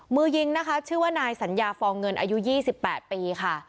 มือยิงนะคะชื่อว่านายสัญญาฟองเงินอายุ๒๘ปีค่ะ